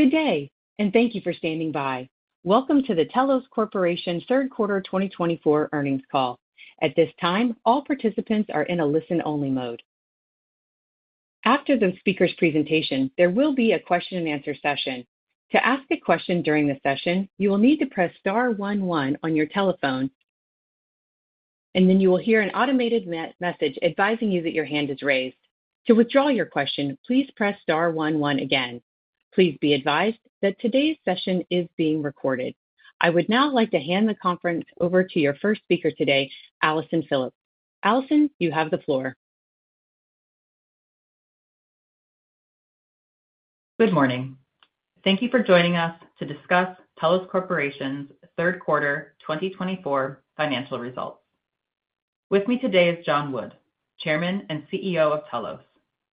Good day, and thank you for standing by. Welcome to the Telos Corporation Third Quarter 2024 Earnings Call. At this time, all participants are in a listen-only mode. After the speaker's presentation, there will be a question-and-answer session. To ask a question during the session, you will need to press star 11 on your telephone, and then you will hear an automated message advising you that your hand is raised. To withdraw your question, please press star 11 again. Please be advised that today's session is being recorded. I would now like to hand the conference over to your first speaker today, Allison Phillips. Allison, you have the floor. Good morning. Thank you for joining us to discuss Telos Corporation's Third Quarter 2024 financial results. With me today is John Wood, Chairman and CEO of Telos,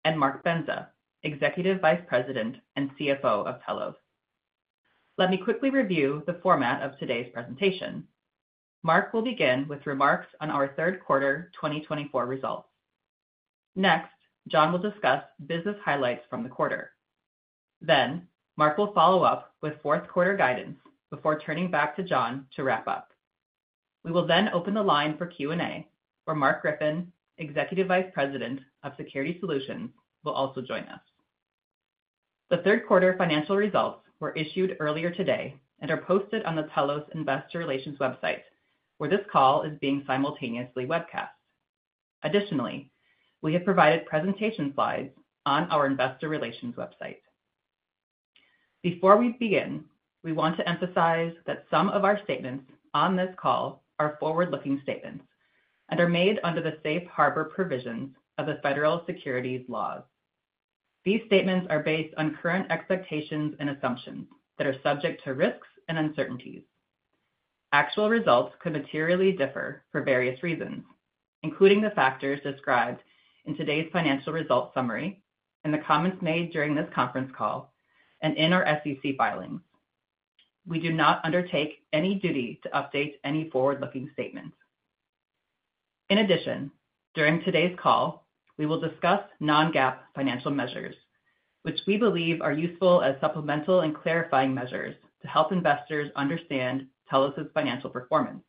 and Mark Bendza, Executive Vice President and CFO of Telos. Let me quickly review the format of today's presentation. Mark will begin with remarks on our Third Quarter 2024 results. Next, John will discuss business highlights from the quarter. Then, Mark will follow up with fourth quarter guidance before turning back to John to wrap up. We will then open the line for Q&A, where Mark Griffin, Executive Vice President of Security Solutions, will also join us. The Third Quarter financial results were issued earlier today and are posted on the Telos Investor Relations website, where this call is being simultaneously webcast. Additionally, we have provided presentation slides on our Investor Relations website. Before we begin, we want to emphasize that some of our statements on this call are forward-looking statements and are made under the safe harbor provisions of the federal securities laws. These statements are based on current expectations and assumptions that are subject to risks and uncertainties. Actual results could materially differ for various reasons, including the factors described in today's financial results summary, in the comments made during this conference call, and in our SEC filings. We do not undertake any duty to update any forward-looking statements. In addition, during today's call, we will discuss non-GAAP financial measures, which we believe are useful as supplemental and clarifying measures to help investors understand Telos's financial performance.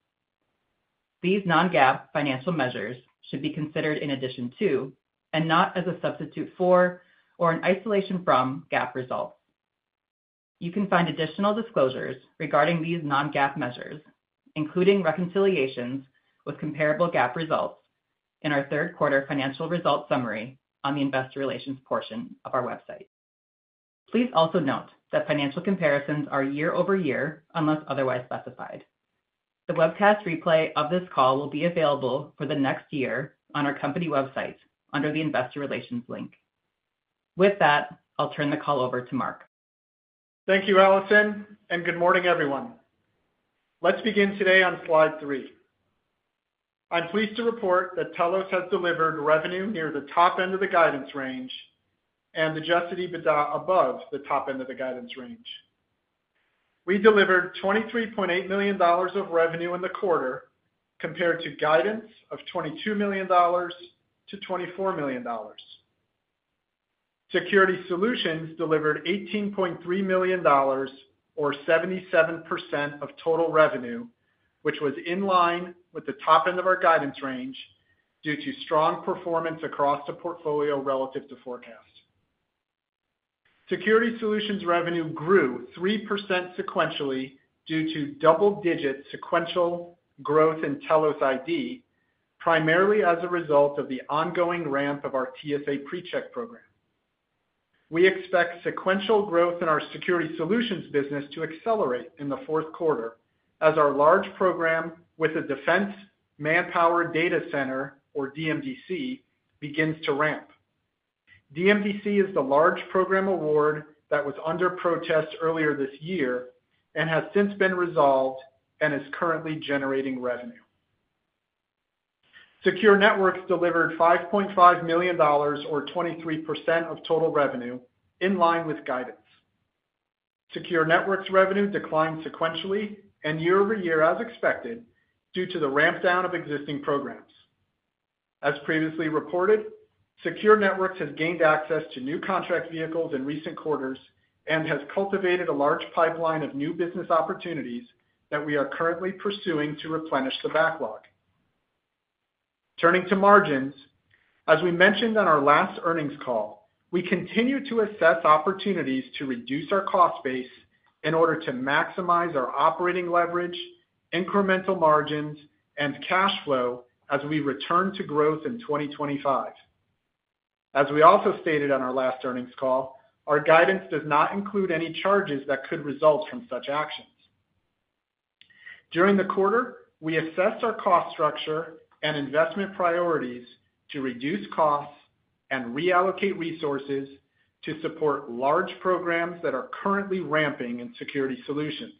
These non-GAAP financial measures should be considered in addition to, and not as a substitute for, or in isolation from GAAP results. You can find additional disclosures regarding these non-GAAP measures, including reconciliations with comparable GAAP results, in our third quarter financial results summary on the Investor Relations portion of our website. Please also note that financial comparisons are year-over-year unless otherwise specified. The webcast replay of this call will be available for the next year on our company website under the Investor Relations link. With that, I'll turn the call over to Mark. Thank you, Allison, and good morning, everyone. Let's begin today on slide three. I'm pleased to report that Telos has delivered revenue near the top end of the guidance range and Adjusted EBITDA above the top end of the guidance range. We delivered $23.8 million of revenue in the quarter, compared to guidance of $22 million-$24 million. Security Solutions delivered $18.3 million, or 77% of total revenue, which was in line with the top end of our guidance range due to strong performance across the portfolio relative to forecast. Security Solutions revenue grew 3% sequentially due to double-digit sequential growth in Telos ID, primarily as a result of the ongoing ramp of our TSA PreCheck program. We expect sequential growth in our Security Solutions business to accelerate in the fourth quarter, as our large program with a Defense Manpower Data Center, or DMDC, begins to ramp. DMDC is the large program award that was under protest earlier this year and has since been resolved and is currently generating revenue. Secure Networks delivered $5.5 million, or 23% of total revenue, in line with guidance. Secure Networks' revenue declined sequentially and year-over-year, as expected, due to the ramp-down of existing programs. As previously reported, Secure Networks has gained access to new contract vehicles in recent quarters and has cultivated a large pipeline of new business opportunities that we are currently pursuing to replenish the backlog. Turning to margins, as we mentioned on our last earnings call, we continue to assess opportunities to reduce our cost base in order to maximize our operating leverage, incremental margins, and cash flow as we return to growth in 2025. As we also stated on our last earnings call, our guidance does not include any charges that could result from such actions. During the quarter, we assessed our cost structure and investment priorities to reduce costs and reallocate resources to support large programs that are currently ramping in Security Solutions.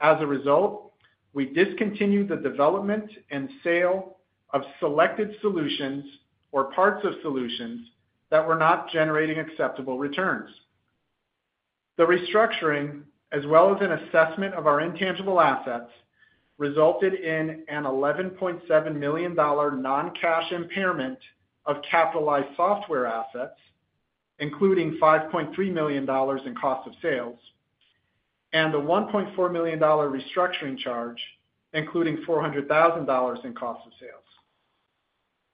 As a result, we discontinued the development and sale of selected solutions or parts of solutions that were not generating acceptable returns. The restructuring, as well as an assessment of our intangible assets, resulted in an $11.7 million non-cash impairment of capitalized software assets, including $5.3 million in cost of sales, and a $1.4 million restructuring charge, including $400,000 in cost of sales.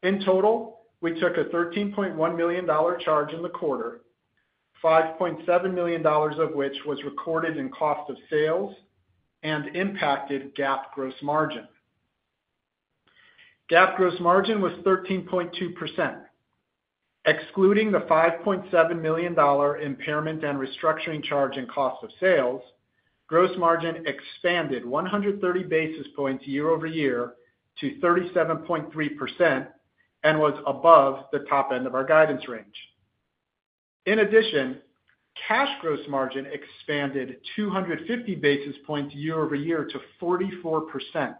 In total, we took a $13.1 million charge in the quarter, $5.7 million of which was recorded in cost of sales and impacted GAAP gross margin. GAAP gross margin was 13.2%. Excluding the $5.7 million impairment and restructuring charge in cost of sales, gross margin expanded 130 basis points year-over-year to 37.3% and was above the top end of our guidance range. In addition, cash gross margin expanded 250 basis points year-over-year to 44%.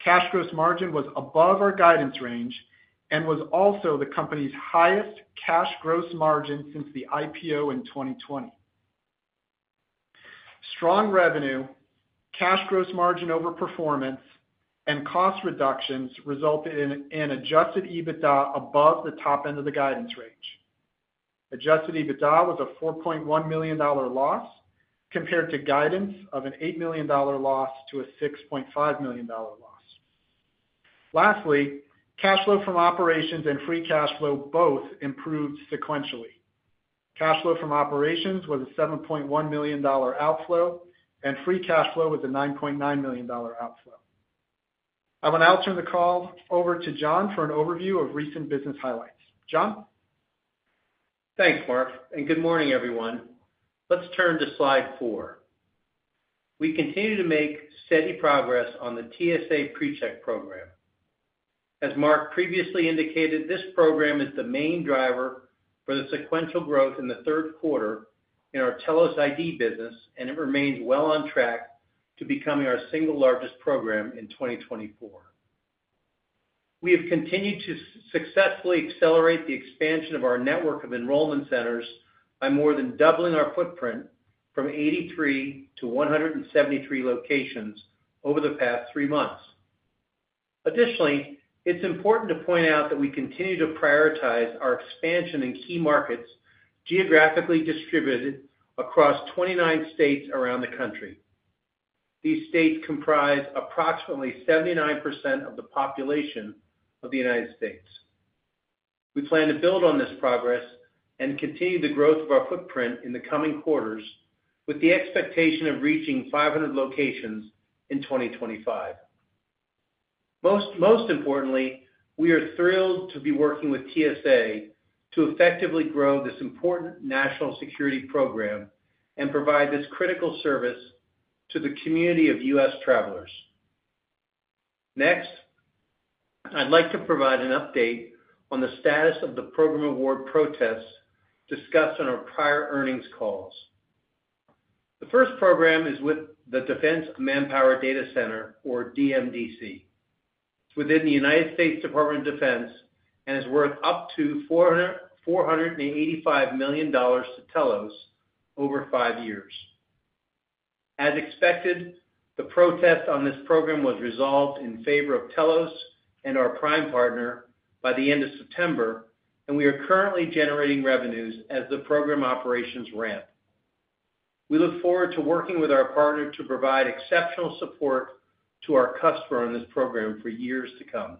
Cash gross margin was above our guidance range and was also the company's highest cash gross margin since the IPO in 2020. Strong revenue, cash gross margin overperformance, and cost reductions resulted in adjusted EBITDA above the top end of the guidance range. Adjusted EBITDA was a $4.1 million loss compared to guidance of an $8 million-$6.5 million loss. Lastly, cash flow from operations and free cash flow both improved sequentially. Cash flow from operations was a $7.1 million outflow, and free cash flow was a $9.9 million outflow. I will now turn the call over to John for an overview of recent business highlights. John? Thanks, Mark, and good morning, everyone. Let's turn to slide four. We continue to make steady progress on the TSA PreCheck program. As Mark previously indicated, this program is the main driver for the sequential growth in the third quarter in our Telos ID business, and it remains well on track to becoming our single largest program in 2024. We have continued to successfully accelerate the expansion of our network of enrollment centers by more than doubling our footprint from 83 to 173 locations over the past three months. Additionally, it's important to point out that we continue to prioritize our expansion in key markets geographically distributed across 29 states around the country. These states comprise approximately 79% of the population of the United States. We plan to build on this progress and continue the growth of our footprint in the coming quarters, with the expectation of reaching 500 locations in 2025. Most importantly, we are thrilled to be working with TSA to effectively grow this important national security program and provide this critical service to the community of U.S. travelers. Next, I'd like to provide an update on the status of the program award protests discussed on our prior earnings calls. The first program is with the Defense Manpower Data Center, or DMDC. It's within the United States Department of Defense and has worth up to $485 million to Telos over five years. As expected, the protest on this program was resolved in favor of Telos and our prime partner by the end of September, and we are currently generating revenues as the program operations ramp. We look forward to working with our partner to provide exceptional support to our customer on this program for years to come.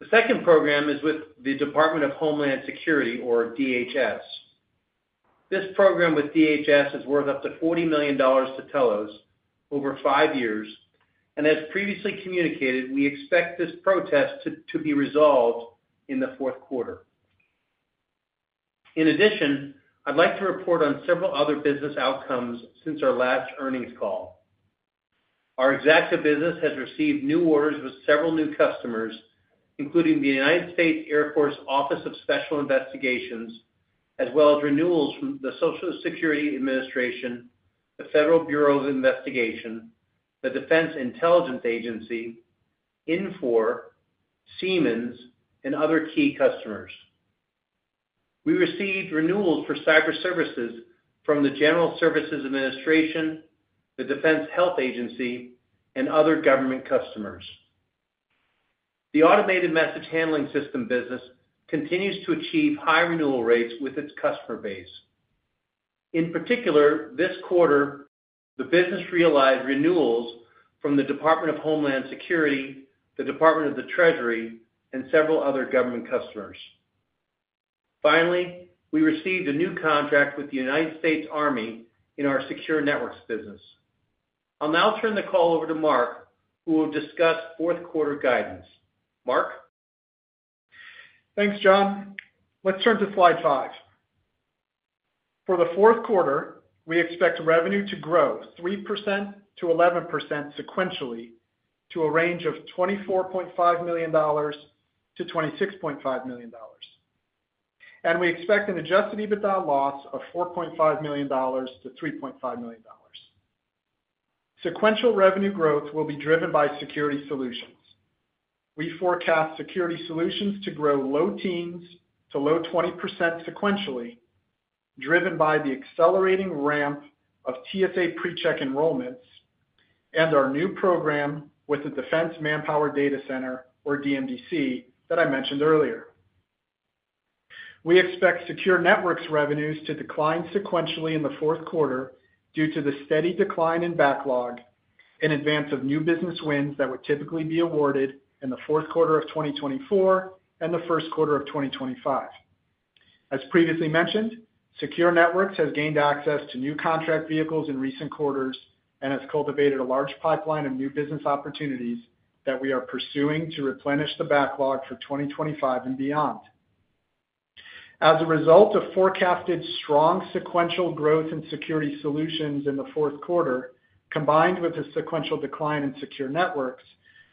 The second program is with the Department of Homeland Security, or DHS. This program with DHS is worth up to $40 million to Telos over five years, and as previously communicated, we expect this protest to be resolved in the fourth quarter. In addition, I'd like to report on several other business outcomes since our last earnings call. Our executive business has received new orders with several new customers, including the United States Air Force Office of Special Investigations, as well as renewals from the Social Security Administration, the Federal Bureau of Investigation, the Defense Intelligence Agency, Infor, Siemens, and other key customers. We received renewals for cyber services from the General Services Administration, the Defense Health Agency, and other government customers. The Automated Message Handling System business continues to achieve high renewal rates with its customer base. In particular, this quarter, the business realized renewals from the Department of Homeland Security, the Department of the Treasury, and several other government customers. Finally, we received a new contract with the United States Army in our Secure Networks business. I'll now turn the call over to Mark, who will discuss fourth quarter guidance. Mark? Thanks, John. Let's turn to slide five. For the fourth quarter, we expect revenue to grow 3%-11% sequentially to a range of $24.5 million-$26.5 million. And we expect an adjusted EBITDA loss of $4.5 million-$3.5 million. Sequential revenue growth will be driven by Security Solutions. We forecast Security Solutions to grow low teens to low 20% sequentially, driven by the accelerating ramp of TSA PreCheck enrollments and our new program with the Defense Manpower Data Center, or DMDC, that I mentioned earlier. We expect Secure Networks revenues to decline sequentially in the fourth quarter due to the steady decline in backlog in advance of new business wins that would typically be awarded in the fourth quarter of 2024 and the first quarter of 2025. As previously mentioned, Secure Networks has gained access to new contract vehicles in recent quarters and has cultivated a large pipeline of new business opportunities that we are pursuing to replenish the backlog for 2025 and beyond. As a result of forecasted strong sequential growth in Security Solutions in the fourth quarter, combined with a sequential decline in Secure Networks,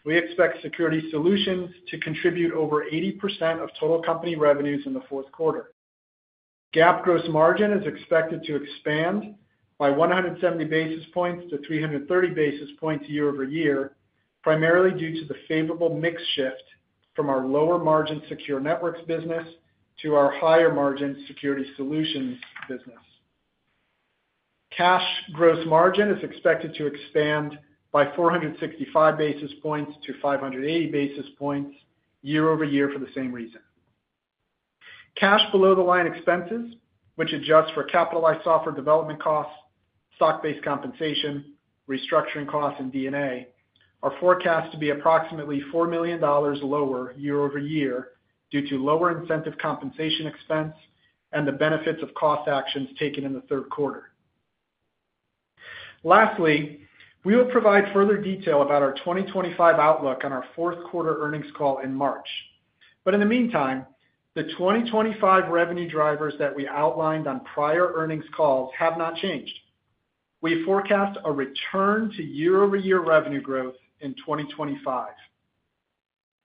we expect Security Solutions to contribute over 80% of total company revenues in the fourth quarter. GAAP gross margin is expected to expand by 170 basis points to 330 basis points year-over-year, primarily due to the favorable mix shift from our lower margin Secure Networks business to our higher margin Security Solutions business. Cash gross margin is expected to expand by 465 basis points to 580 basis points year-over-year for the same reason. Cash below-the-line expenses, which adjust for capitalized software development costs, stock-based compensation, restructuring costs, and D&A, are forecast to be approximately $4 million lower year-over-year due to lower incentive compensation expense and the benefits of cost actions taken in the third quarter. Lastly, we will provide further detail about our 2025 outlook on our fourth quarter earnings call in March, but in the meantime, the 2025 revenue drivers that we outlined on prior earnings calls have not changed. We forecast a return to year-over-year revenue growth in 2025.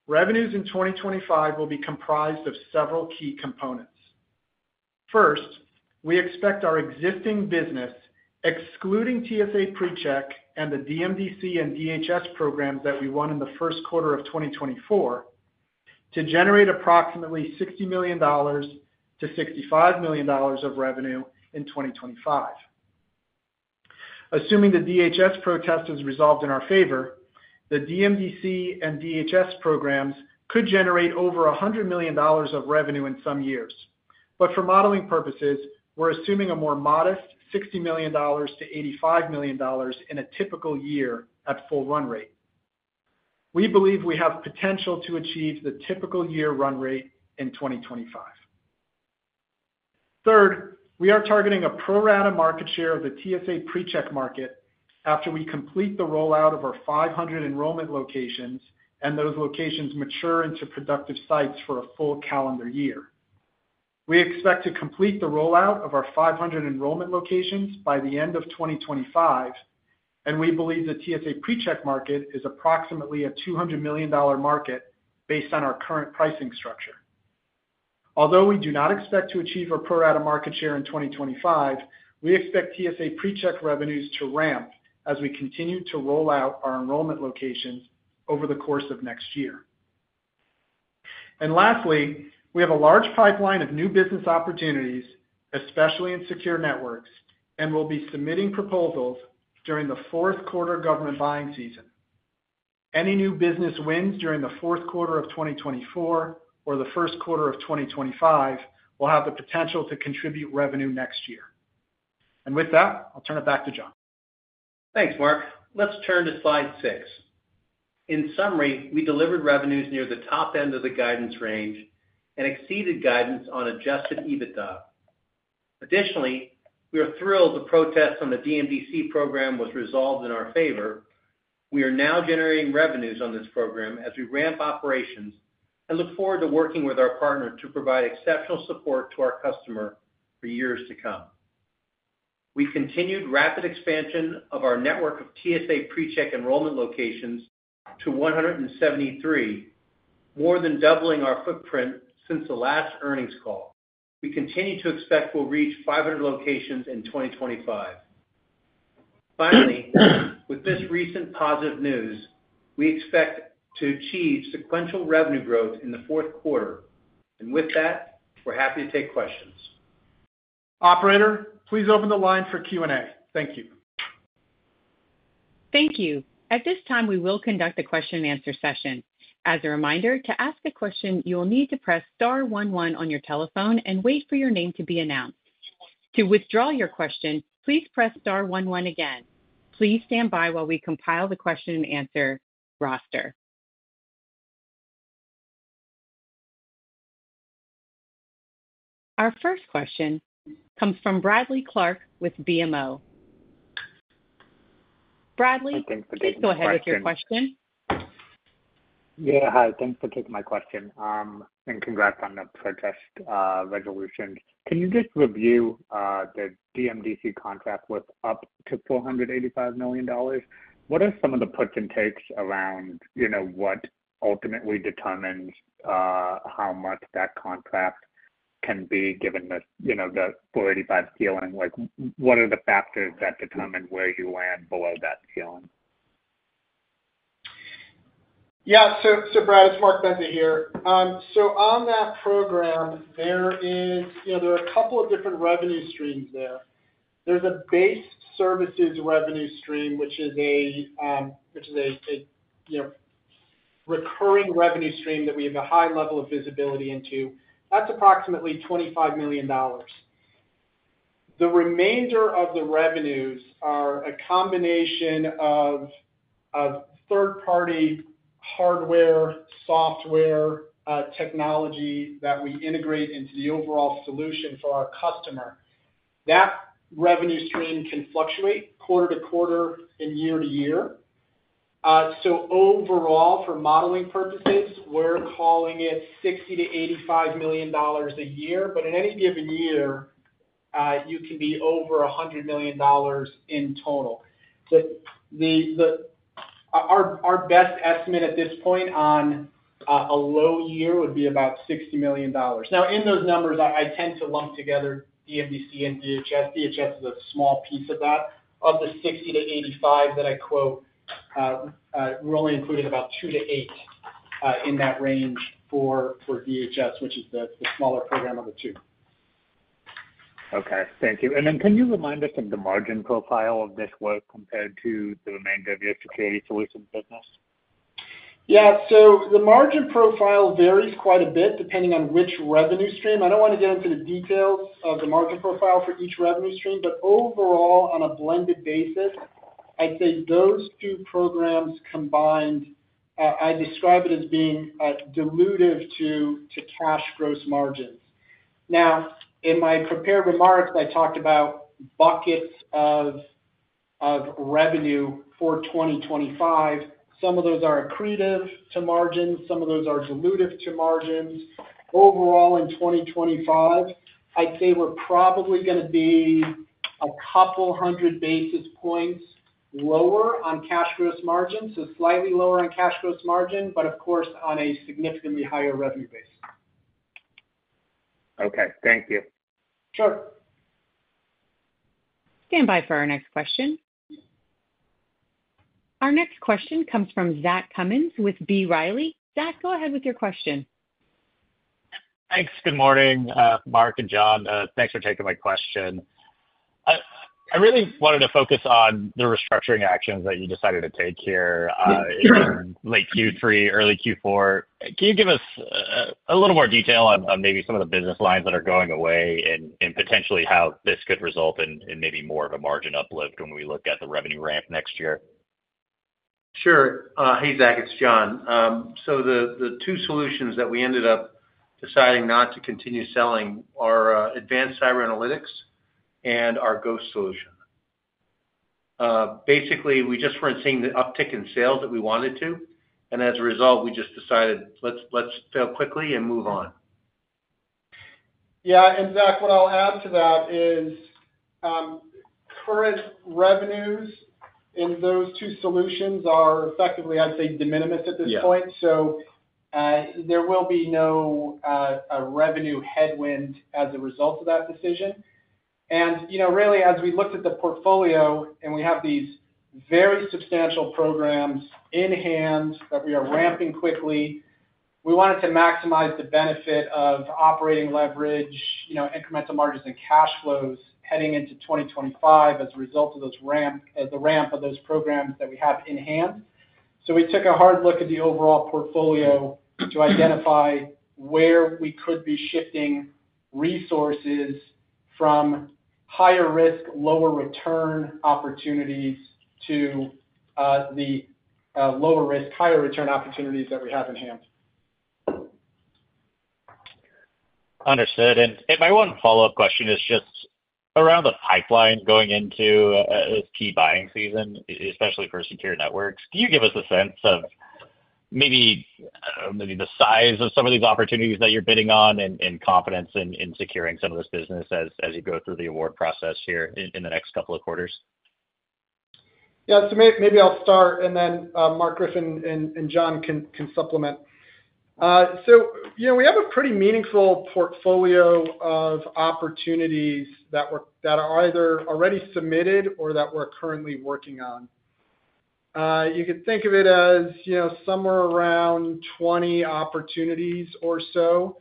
Revenues in 2025 will be comprised of several key components. First, we expect our existing business, excluding TSA PreCheck and the DMDC and DHS programs that we won in the first quarter of 2024, to generate approximately $60 million-$65 million of revenue in 2025. Assuming the DHS protest is resolved in our favor, the DMDC and DHS programs could generate over $100 million of revenue in some years. But for modeling purposes, we're assuming a more modest $60 million-$85 million in a typical year at full run rate. We believe we have potential to achieve the typical year run rate in 2025. Third, we are targeting a pro rata market share of the TSA PreCheck market after we complete the rollout of our 500 enrollment locations and those locations mature into productive sites for a full calendar year. We expect to complete the rollout of our 500 enrollment locations by the end of 2025, and we believe the TSA PreCheck market is approximately a $200 million market based on our current pricing structure. Although we do not expect to achieve a pro rata market share in 2025, we expect TSA PreCheck revenues to ramp as we continue to roll out our enrollment locations over the course of next year, and lastly, we have a large pipeline of new business opportunities, especially in Secure Networks, and we'll be submitting proposals during the fourth quarter government buying season. Any new business wins during the fourth quarter of 2024 or the first quarter of 2025 will have the potential to contribute revenue next year, and with that, I'll turn it back to John. Thanks, Mark. Let's turn to slide six. In summary, we delivered revenues near the top end of the guidance range and exceeded guidance on Adjusted EBITDA. Additionally, we are thrilled the protest on the DMDC program was resolved in our favor. We are now generating revenues on this program as we ramp operations and look forward to working with our partner to provide exceptional support to our customer for years to come. We've continued rapid expansion of our network of TSA PreCheck enrollment locations to 173, more than doubling our footprint since the last earnings call. We continue to expect we'll reach 500 locations in 2025. Finally, with this recent positive news, we expect to achieve sequential revenue growth in the fourth quarter. And with that, we're happy to take questions. Operator, please open the line for Q&A. Thank you. Thank you. At this time, we will conduct a question-and-answer session. As a reminder, to ask a question, you will need to press star 1 on your telephone and wait for your name to be announced. To withdraw your question, please press star 1 1 again. Please stand by while we compile the question-and-answer roster. Our first question comes from Bradley Clark with BMO. Bradley, please go ahead with your question. Yeah, hi. Thanks for taking my question and congrats on the protest resolution. Can you just review the DMDC contract with up to $485 million? What are some of the puts and takes around what ultimately determines how much that contract can be given the $485 ceiling? What are the factors that determine where you land below that ceiling? Yeah, so Brad, it's Mark Bendza here. So on that program, there are a couple of different revenue streams there. There's a base services revenue stream, which is a recurring revenue stream that we have a high level of visibility into. That's approximately $25 million. The remainder of the revenues are a combination of third-party hardware, software, technology that we integrate into the overall solution for our customer. That revenue stream can fluctuate quarter to quarter and year-to-year. So overall, for modeling purposes, we're calling it $60-$85 million a year. But in any given year, you can be over $100 million in total. Our best estimate at this point on a low year would be about $60 million. Now, in those numbers, I tend to lump together DMDC and DHS. DHS is a small piece of that. Of the $60-$85 that I quote, we're only including about $2-$8 in that range for DHS, which is the smaller program of the two. Okay. Thank you, and then can you remind us of the margin profile of this work compared to the remainder of your Security Solutions business? Yeah. So the margin profile varies quite a bit depending on which revenue stream. I don't want to get into the details of the margin profile for each revenue stream. But overall, on a blended basis, I'd say those two programs combined, I describe it as being dilutive to cash gross margins. Now, in my prepared remarks, I talked about buckets of revenue for 2025. Some of those are accretive to margins. Some of those are dilutive to margins. Overall, in 2025, I'd say we're probably going to be a couple hundred basis points lower on cash gross margin, so slightly lower on cash gross margin, but of course, on a significantly higher revenue base. Okay. Thank you. Sure. Stand by for our next question. Our next question comes from Zach Cummins with B. Riley. Zach, go ahead with your question. Thanks. Good morning, Mark and John. Thanks for taking my question. I really wanted to focus on the restructuring actions that you decided to take here in late Q3, early Q4. Can you give us a little more detail on maybe some of the business lines that are going away and potentially how this could result in maybe more of a margin uplift when we look at the revenue ramp next year? Sure. Hey, Zach, it's John. So the two solutions that we ended up deciding not to continue selling are Advanced Cyber Analytics and our Ghost solution. Basically, we just weren't seeing the uptick in sales that we wanted to. And as a result, we just decided, "Let's fail quickly and move on." Yeah. And Zach, what I'll add to that is current revenues in those two solutions are effectively, I'd say, de minimis at this point. So there will be no revenue headwind as a result of that decision. And really, as we looked at the portfolio and we have these very substantial programs in hand that we are ramping quickly, we wanted to maximize the benefit of operating leverage, incremental margins, and cash flows heading into 2025 as a result of the ramp of those programs that we have in hand. We took a hard look at the overall portfolio to identify where we could be shifting resources from higher risk, lower return opportunities to the lower risk, higher return opportunities that we have in hand. Understood. My one follow-up question is just around the pipeline going into this key buying season, especially for Secure Networks. Can you give us a sense of maybe the size of some of these opportunities that you're bidding on and confidence in securing some of this business as you go through the award process here in the next couple of quarters? Yeah. So maybe I'll start, and then Mark Griffin and John can supplement. So we have a pretty meaningful portfolio of opportunities that are either already submitted or that we're currently working on. You could think of it as somewhere around 20 opportunities or so.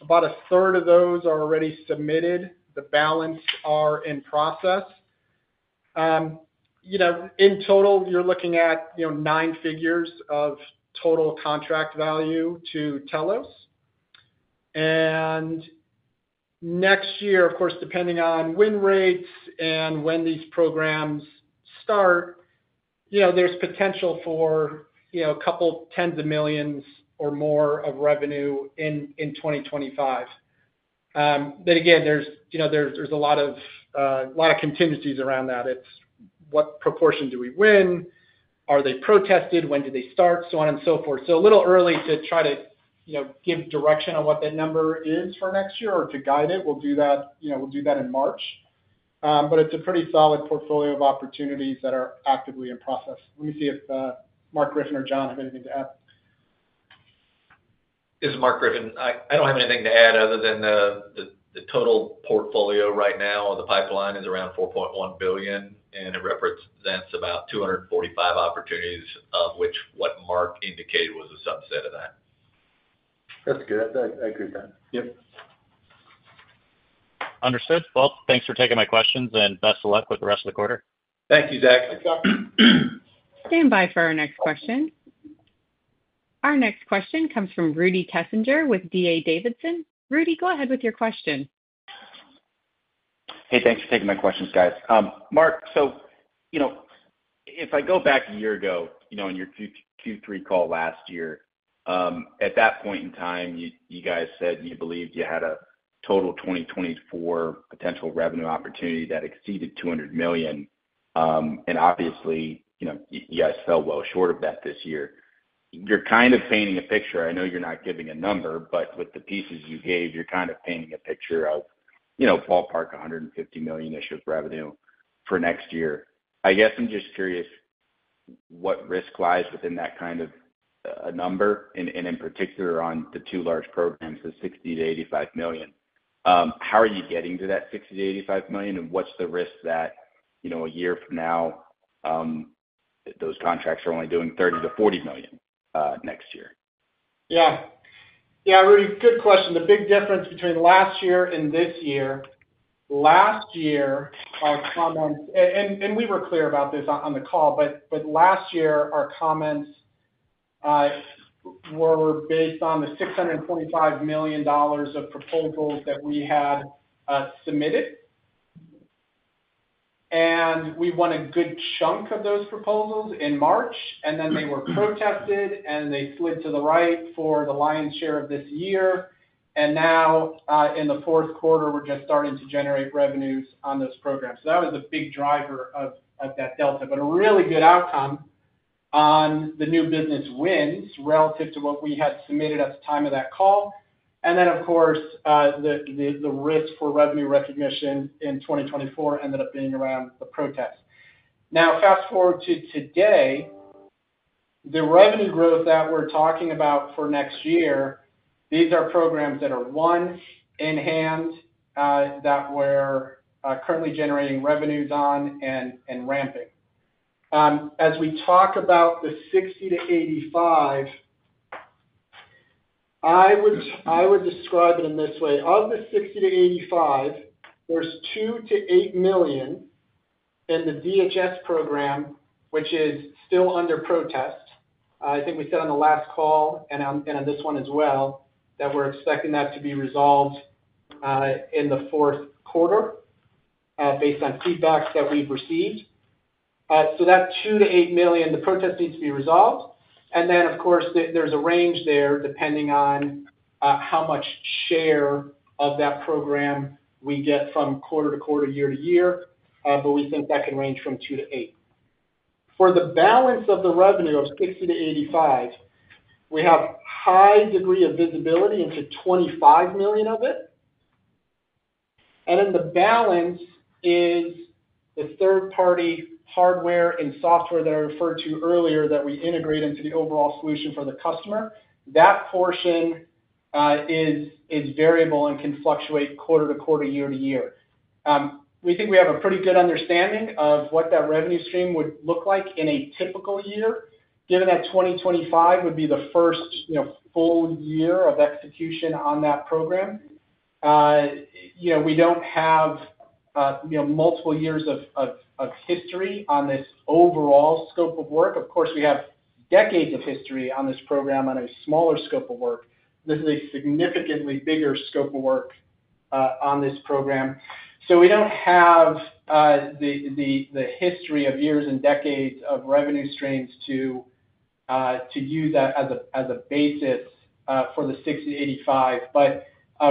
About a third of those are already submitted. The balance are in process. In total, you're looking at nine figures of total contract value to Telos. And next year, of course, depending on win rates and when these programs start, there's potential for a couple tens of millions or more of revenue in 2025. But again, there's a lot of contingencies around that. It's what proportion do we win? Are they protested? When do they start? So on and so forth. So a little early to try to give direction on what that number is for next year or to guide it. We'll do that in March. But it's a pretty solid portfolio of opportunities that are actively in process. Let me see if Mark Griffin or John have anything to add? This is Mark Griffin. I don't have anything to add other than the total portfolio right now. The pipeline is around $4.1 billion, and it represents about 245 opportunities, of which what Mark indicated was a subset of that. That's good. I agree with that. Yep. Understood. Well, thanks for taking my questions, and best of luck with the rest of the quarter. Thank you, Zach. Thank you, Zach. Stand by for our next question. Our next question comes from Rudy Kessinger with D.A. Davidson. Rudy, go ahead with your question. Hey, thanks for taking my questions, guys. Mark, so if I go back a year ago in your Q3 call last year, at that point in time, you guys said you believed you had a total 2024 potential revenue opportunity that exceeded $200 million. And obviously, you guys fell well short of that this year. You're kind of painting a picture. I know you're not giving a number, but with the pieces you gave, you're kind of painting a picture of ballpark $150 million-ish of revenue for next year. I guess I'm just curious what risk lies within that kind of a number, and in particular on the two large programs, the $60-$85 million. How are you getting to that $60-$85 million, and what's the risk that a year from now those contracts are only doing $30-$40 million next year? Yeah. Yeah, Rudy, good question. The big difference between last year and this year, last year, our comments, and we were clear about this on the call, but last year, our comments were based on the $625 million of proposals that we had submitted, and we won a good chunk of those proposals in March, and then they were protested, and they slid to the right for the lion's share of this year, and now, in the fourth quarter, we're just starting to generate revenues on those programs, so that was the big driver of that delta, but a really good outcome on the new business wins relative to what we had submitted at the time of that call, and then, of course, the risk for revenue recognition in 2024 ended up being around the protests. Now, fast forward to today, the revenue growth that we're talking about for next year, these are programs that are, one, in hand, that we're currently generating revenues on and ramping. As we talk about the $60-$85, I would describe it in this way. Of the $60-$85, there's $2-$8 million in the DHS program, which is still under protest. I think we said on the last call and on this one as well that we're expecting that to be resolved in the fourth quarter based on feedback that we've received. So that $2-$8 million, the protest needs to be resolved. And then, of course, there's a range there depending on how much share of that program we get from quarter to quarter, year-to-year. But we think that can range from $2-$8. For the balance of the revenue of $60-$85, we have a high degree of visibility into $25 million of it, and then the balance is the third-party hardware and software that I referred to earlier that we integrate into the overall solution for the customer. That portion is variable and can fluctuate quarter to quarter, year-to-year. We think we have a pretty good understanding of what that revenue stream would look like in a typical year, given that 2025 would be the first full year of execution on that program. We don't have multiple years of history on this overall scope of work. Of course, we have decades of history on this program on a smaller scope of work. This is a significantly bigger scope of work on this program. So we don't have the history of years and decades of revenue streams to use that as a basis for the $60-$85. But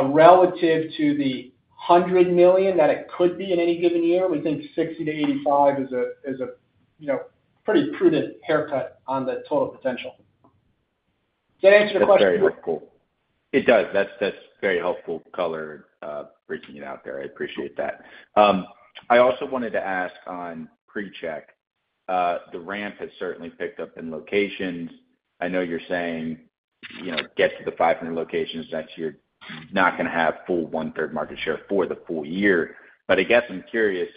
relative to the $100 million that it could be in any given year, we think $60-$85 is a pretty prudent haircut on the total potential. Does that answer the question? That's very helpful. It does. That's very helpful color breaking it out there. I appreciate that. I also wanted to ask on PreCheck, the ramp has certainly picked up in locations. I know you're saying get to the 500 locations, that you're not going to have full one-third market share for the full year. But I guess I'm curious,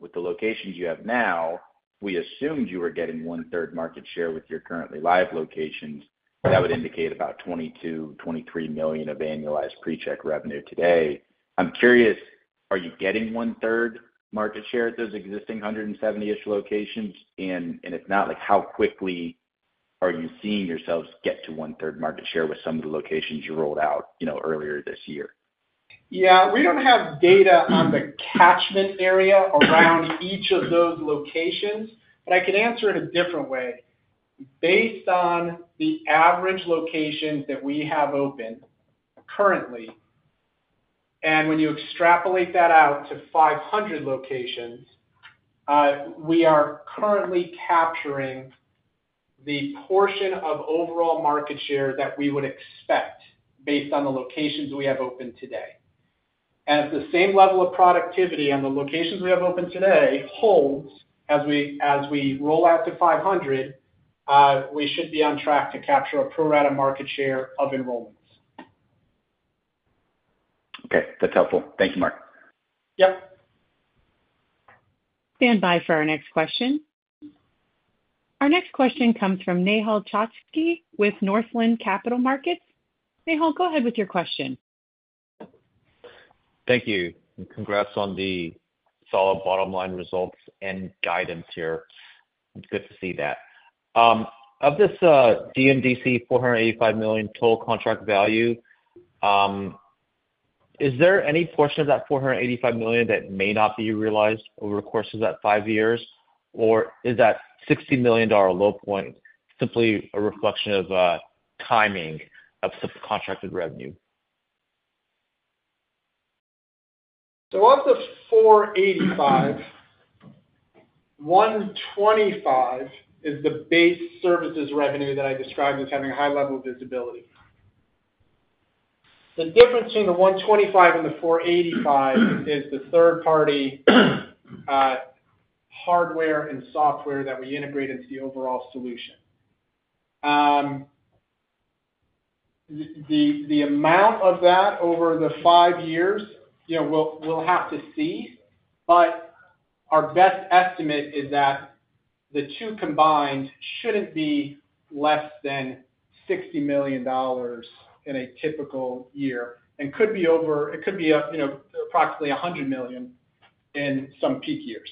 with the locations you have now, we assumed you were getting one-third market share with your currently live locations. That would indicate about $22-$23 million of annualized PreCheck revenue today. I'm curious, are you getting one-third market share at those existing 170-ish locations? And if not, how quickly are you seeing yourselves get to one-third market share with some of the locations you rolled out earlier this year? Yeah. We don't have data on the catchment area around each of those locations, but I can answer it a different way. Based on the average locations that we have open currently, and when you extrapolate that out to 500 locations, we are currently capturing the portion of overall market share that we would expect based on the locations we have open today. And at the same level of productivity on the locations we have open today holds, as we roll out to 500, we should be on track to capture a pro-rata market share of enrollments. Okay. That's helpful. Thank you, Mark. Yep. Stand by for our next question. Our next question comes from Nehal Chokshi with Northland Capital Markets. Nehal, go ahead with your question. Thank you. Congrats on the solid bottom line results and guidance here. It's good to see that. Of this DMDC $485 million total contract value, is there any portion of that $485 million that may not be realized over the course of that five years, or is that $60 million low point simply a reflection of timing of subcontracted revenue? Of the $485, $125 is the base services revenue that I described as having a high level of visibility. The difference between the $125 and the $485 is the third-party hardware and software that we integrate into the overall solution. The amount of that over the five years, we'll have to see. But our best estimate is that the two combined shouldn't be less than $60 million in a typical year. It could be over. It could be approximately $100 million in some peak years.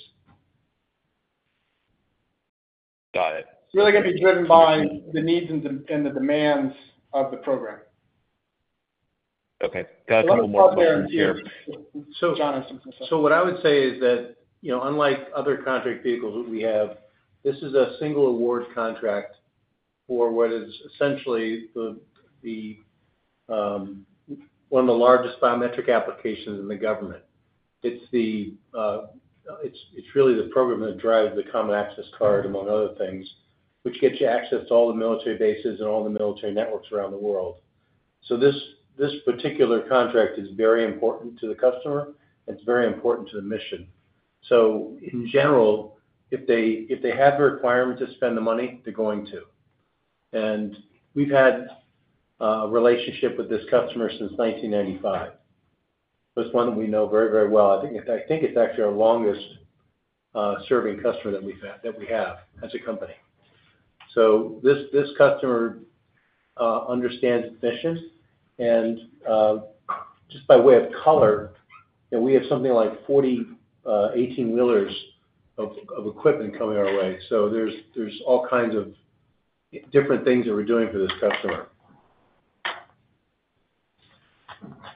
Got it. It's really going to be driven by the needs and the demands of the program. Okay. Got a couple more questions here. John has something to say. So what I would say is that, unlike other contract vehicles that we have, this is a single award contract for what is essentially one of the largest biometric applications in the government. It's really the program that drives the Common Access Card, among other things, which gets you access to all the military bases and all the military networks around the world. So this particular contract is very important to the customer, and it's very important to the mission. So in general, if they have the requirement to spend the money, they're going to. And we've had a relationship with this customer since 1995. It's one that we know very, very well. I think it's actually our longest-serving customer that we have as a company. So this customer understands its mission. And just by way of color, we have something like 40 18-wheelers of equipment coming our way. There's all kinds of different things that we're doing for this customer.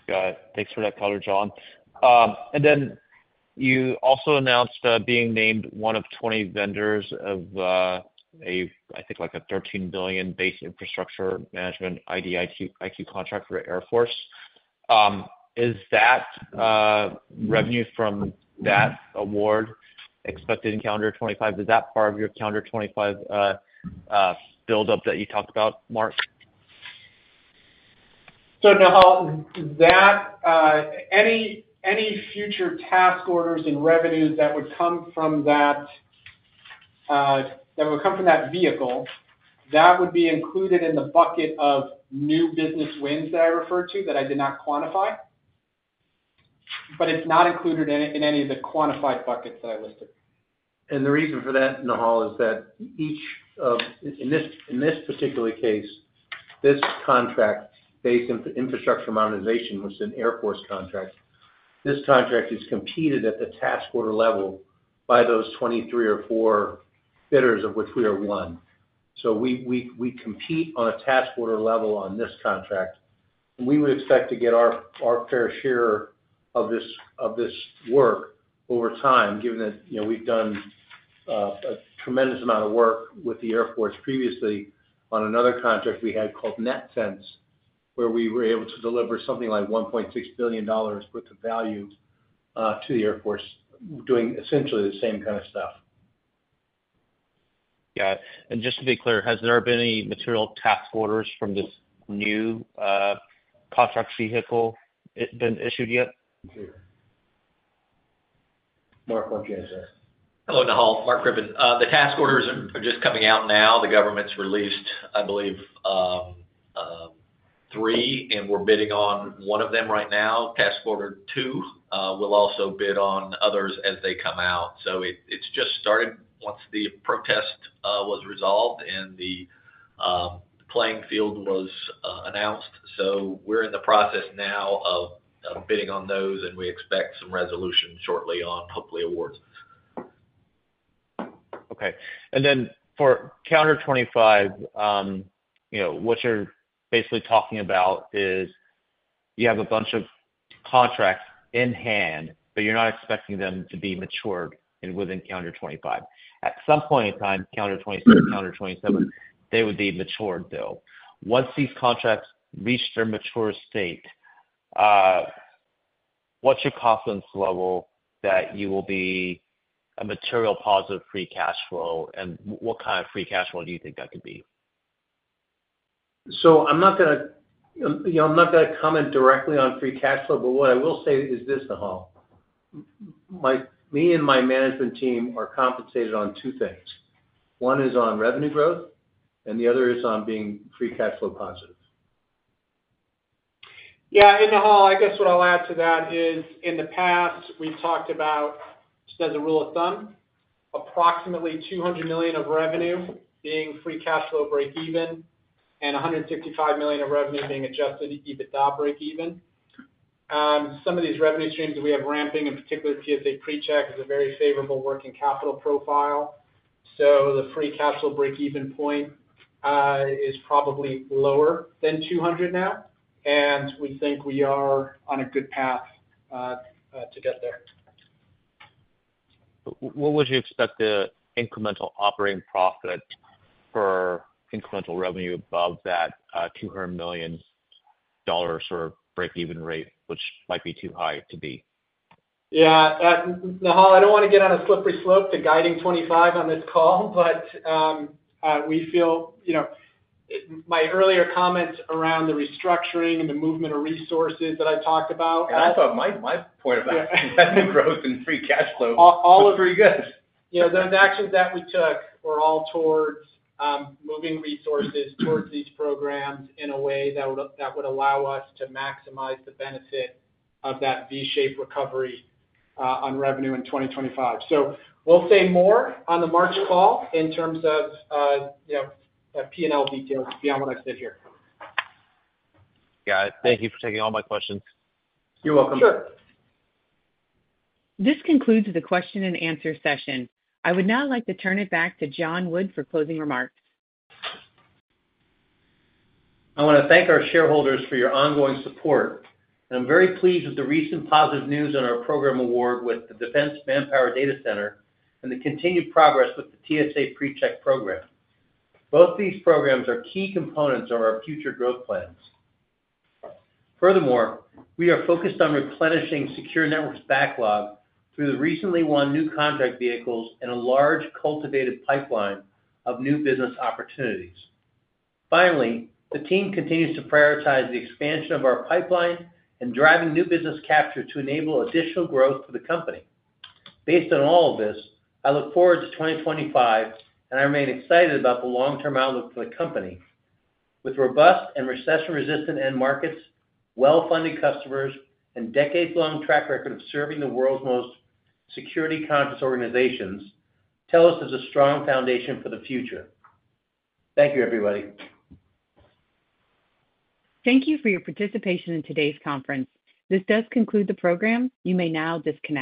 Got it. Thanks for that color, John. And then you also announced being named one of 20 vendors of a, I think, like a $13 billion Base Infrastructure Modernization IDIQ contract for the Air Force. Is that revenue from that award expected in calendar 2025? Is that part of your calendar 2025 build-up that you talked about, Mark? Nehal, any future task orders and revenues that would come from that vehicle would be included in the bucket of new business wins that I referred to that I did not quantify. But it's not included in any of the quantified buckets that I listed. The reason for that, Nehal, is that each of, in this particular case, this contract, Base Infrastructure Modernization, was an Air Force contract. This contract is competed at the task order level by those 23 or 24 bidders, of which we are one. So we compete on a task order level on this contract. And we would expect to get our fair share of this work over time, given that we've done a tremendous amount of work with the Air Force previously on another contract we had called NETCENTS, where we were able to deliver something like $1.6 billion worth of value to the Air Force, doing essentially the same kind of stuff. Got it. And just to be clear, has there been any material task orders from this new contract vehicle issued yet? Too. Mark, won't you answer that? Hello, Nehal. Mark Griffin. The task orders are just coming out now. The government's released, I believe, three, and we're bidding on one of them right now. Task order two will also bid on others as they come out. So it's just started once the protest was resolved and the playing field was announced. So we're in the process now of bidding on those, and we expect some resolution shortly on, hopefully, awards. Okay. And then for calendar 2025, what you're basically talking about is you have a bunch of contracts in hand, but you're not expecting them to be matured within calendar 2025. At some point in time, calendar 2026, calendar 2027, they would be matured, though. Once these contracts reach their mature state, what's your confidence level that you will be a material positive free cash flow? What kind of free cash flow do you think that could be? So I'm not going to comment directly on free cash flow, but what I will say is this, Nehal. Me and my management team are compensated on two things. One is on revenue growth, and the other is on being free cash flow positive. Yeah. And Nehal, I guess what I'll add to that is, in the past, we've talked about, just as a rule of thumb, approximately $200 million of revenue being free cash flow breakeven and $155 million of revenue being adjusted EBITDA breakeven. Some of these revenue streams that we have ramping, in particular, TSA PreCheck is a very favorable working capital profile. The free cash flow breakeven point is probably lower than $200 now. We think we are on a good path to get there. What would you expect the incremental operating profit for incremental revenue above that $200 million sort of breakeven rate, which might be too high to be? Yeah. Nehal, I don't want to get on a slippery slope to guiding 2025 on this call, but we feel my earlier comments around the restructuring and the movement of resources that I talked about. I thought my point of that, the growth in free cash flow, it was pretty good. All of those actions that we took were all towards moving resources towards these programs in a way that would allow us to maximize the benefit of that V-shaped recovery on revenue in 2025. So we'll say more on the March call in terms of P&L details beyond what I've said here. Got it. Thank you for taking all my questions. You're welcome. Sure. This concludes the question-and-answer session. I would now like to turn it back to John Wood for closing remarks. I want to thank our shareholders for your ongoing support, and I'm very pleased with the recent positive news on our program award with the Defense Manpower Data Center and the continued progress with the TSA PreCheck program. Both these programs are key components of our future growth plans. Furthermore, we are focused on replenishing Secure Network backlog through the recently won new contract vehicles and a large cultivated pipeline of new business opportunities. Finally, the team continues to prioritize the expansion of our pipeline and driving new business capture to enable additional growth for the company. Based on all of this, I look forward to 2025, and I remain excited about the long-term outlook for the company. With robust and recession-resistant end markets, well-funded customers, and decades-long track record of serving the world's most security-conscious organizations, Telos is a strong foundation for the future. Thank you, everybody. Thank you for your participation in today's conference. This does conclude the program. You may now disconnect.